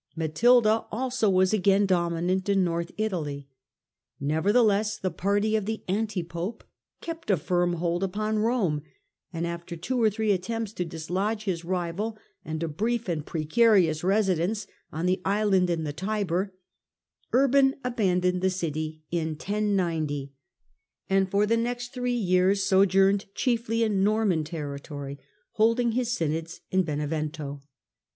Matilda also was Digitized by VjOOQIC Pontificate of Urban IL 161 again dominant in North Italy. Nevertheless the party of the anti pope kept a firm hold upon Rome, and after two or three attempts to dislodge his rival, and a brief and precarioos residence on the island in the Tiber, Urban abandoned the city in 1090, and for the next three years sojourned chiefly in Norman territory, hold ing his synods in Benevento.